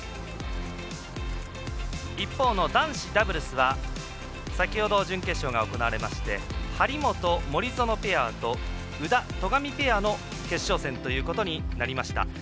一方の男子ダブルスは先ほど、準決勝が行われまして張本、森薗ペアと宇田、戸上ペアの決勝戦ということになりました。